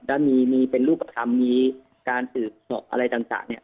แล้วมีเป็นรูปธรรมมีการสืบสอบอะไรต่างเนี่ย